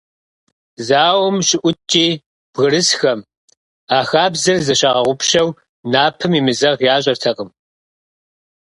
Зауэм щыӀуткӀи, бгырысхэм, а хабзэр зыщагъэгъупщэу, напэм емызэгъ ящӀэртэкъым.